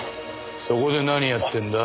そこで何やってんだ？